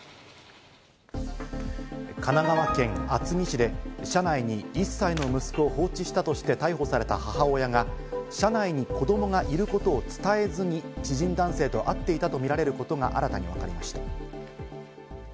神奈川県厚木市で車内に１歳の息子を放置したとして逮捕された母親が車内に子供がいることを伝えずに知人男性と会っていたとみられることが新たに分かりました。